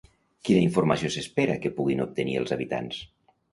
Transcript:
Quina informació s'espera que puguin obtenir els habitants?